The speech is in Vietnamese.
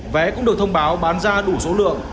vé cũng được thông báo bán ra đủ số lượng